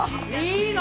いいの？